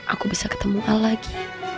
aku bisa ketemu a lagi